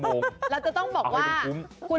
ใบต้งต้องหู